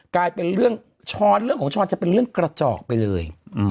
กลายเป็นเรื่องชรจะเป็นกระจอกไปเลย